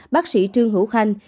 bác sĩ trương hữu khanh